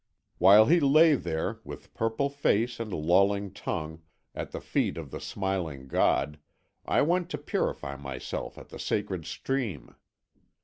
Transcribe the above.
"While he lay there, with purple face and lolling tongue, at the feet of the smiling god, I went to purify myself at the sacred stream.